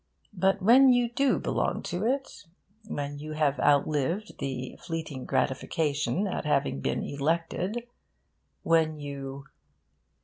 But when you do belong to it, when you have outlived the fleeting gratification at having been elected, when you...